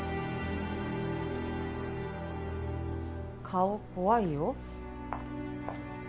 顔怖いよ。